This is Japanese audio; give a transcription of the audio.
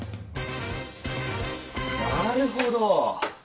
なるほど！